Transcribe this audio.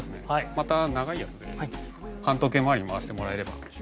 また長いやつで反時計回りに回してもらえれば。